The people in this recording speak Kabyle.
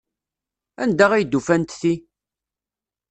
Anda ay d-ufant ti?